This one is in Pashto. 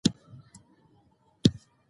بزګر د آس په ایستلو کې پاتې راغلی و.